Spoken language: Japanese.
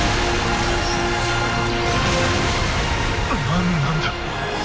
何なんだ